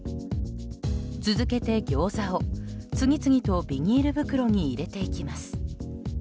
続けてギョーザを、次々とビニール袋に入れていきます。